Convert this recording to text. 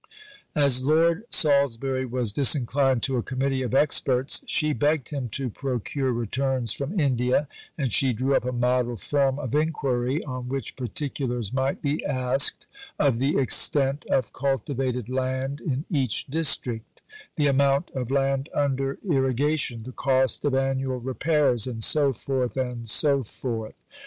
As Lord Salisbury was disinclined to a Committee of experts, she begged him to procure returns from India, and she drew up a model form of inquiry, on which particulars might be asked of the extent of cultivated land in each district, the amount of land under irrigation, the cost of annual repairs, and so forth, and so forth.